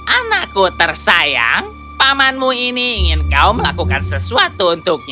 anakku tersayang pamanmu ini ingin kau melakukan sesuatu untukmu